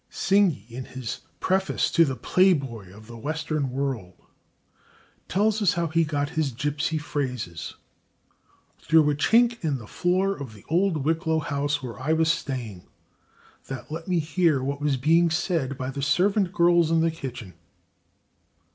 Synge, in his preface to "The Playboy of the Western World," tells us how he got his gypsy phrases "through a chink in the floor of the old Wicklow house where I was staying, that let me hear what was being said by the servant girls in the kitchen."